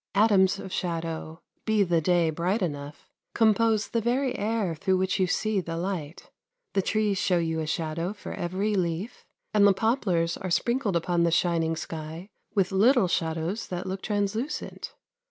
Atoms of shadow be the day bright enough compose the very air through which you see the light. The trees show you a shadow for every leaf, and the poplars are sprinkled upon the shining sky with little shadows that look translucent.